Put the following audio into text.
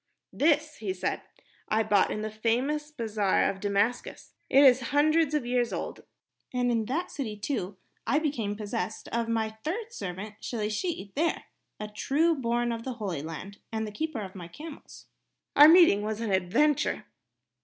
"This," he said, "I bought in the famous bazaar of Damascus. It is hundreds of years old. And in that city, too, I became possessed of my third servant, Shelishi there, a true born son of the Holy Land and the keeper of my camels. Our meeting was an adventure...."